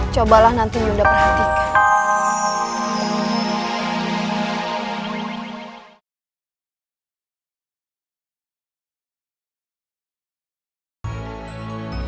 cobalah nanti bunda perhatikan